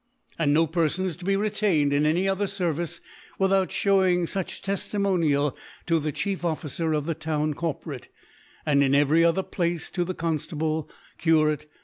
And no Perfon is to be retained in any other Service, without fhewing fuch Tefti a monial to the Chief Officer of the Town f ' Corporate, and in every other Place to the ,' Conftable, Curate, i^c.